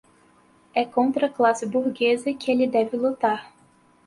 é contra a classe burguesa que ele deve lutar